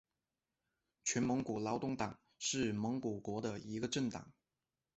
全蒙古劳动党是蒙古国的一个政党。